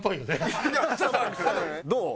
どう？